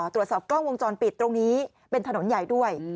ตรวจสอบกล้องวงจรปิดตรงนี้เป็นถนนใหญ่ด้วย